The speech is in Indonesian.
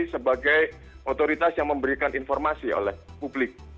sebagai otoritas yang memberikan informasi oleh publik